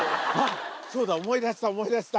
そうだ、思い出した、思い出した。